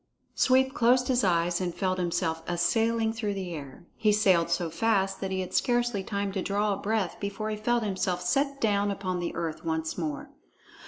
Sweep closed his eyes and felt himself a sailing through the air. He sailed so fast that he had scarcely time to draw a breath before he felt himself set down upon the earth once more.